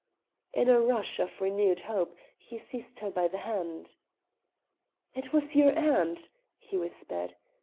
In a rush of renewed hope he seized her by the hand. "It was your aunt!" he whispered.